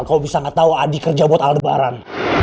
kau bisa gak tahu adi kerja buat aldebaran